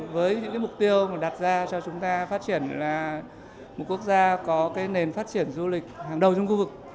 với những cái mục tiêu mà đặt ra cho chúng ta phát triển là một quốc gia có nền phát triển du lịch hàng đầu trong khu vực